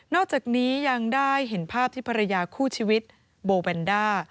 อกจากนี้ยังได้เห็นภาพที่ภรรยาคู่ชีวิตโบแวนด้า